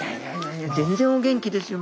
全然お元気ですよ